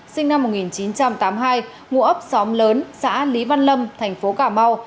sinh năm một nghìn chín trăm tám mươi hai ngụ ấp xóm lớn xã lý văn lâm thành phố cà mau